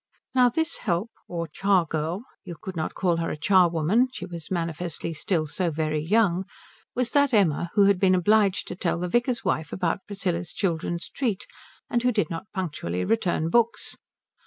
Now this help, or char girl you could not call her a charwoman she was manifestly still so very young was that Emma who had been obliged to tell the vicar's wife about Priscilla's children's treat and who did not punctually return books.